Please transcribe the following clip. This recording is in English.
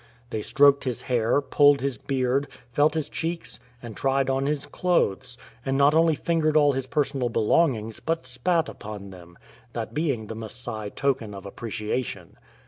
They stroked his hair, pulled his beard, felt his cheeks, and tried on his clothes ; and not only fingered all his personal belongings, but spat upon them, that being the Masai token of ap preciation.